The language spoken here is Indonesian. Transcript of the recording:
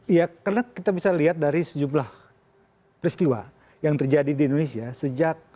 iya karena kita bisa lihat dari sejumlah peristiwa yang terjadi di indonesia sejak